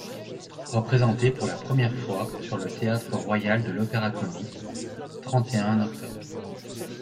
Représenté pour la première fois sur le Théâtre Royal de l'Opéra-Comique (trente et un oct.